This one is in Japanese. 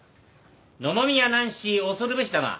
野々宮ナンシー恐るべしだな。